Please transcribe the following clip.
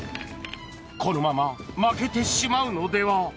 このまま負けてしまうのでは。